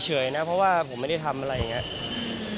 เฉยนะเพราะว่าผมไม่ได้ทำอะไรอย่างนี้